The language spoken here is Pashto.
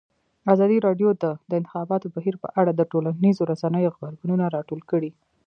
ازادي راډیو د د انتخاباتو بهیر په اړه د ټولنیزو رسنیو غبرګونونه راټول کړي.